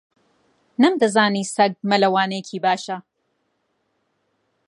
نەمدەزانی سەگ مەلەوانێکی باشە.